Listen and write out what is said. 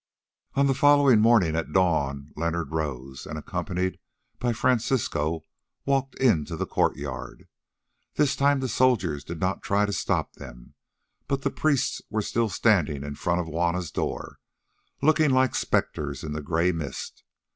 On the following morning at dawn Leonard rose and, accompanied by Francisco, walked into the courtyard. This time the soldiers did not try to stop them, but the priests were still standing in front of Juanna's door, looking like spectres in the grey mist.